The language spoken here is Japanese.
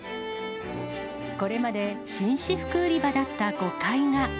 これまで紳士服売り場だった５階が。